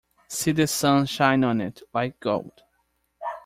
See the sun shine on it — like gold!